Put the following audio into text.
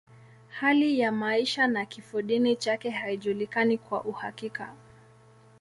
Hali ya maisha na kifodini chake haijulikani kwa uhakika.